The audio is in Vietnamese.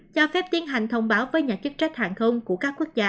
cho phép tiến hành thông báo với nhà chức trách hàng không của các quốc gia